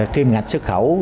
kim ngạch xuất khẩu